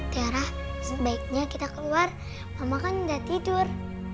teara sebaiknya kita keluar mama kan udah tidur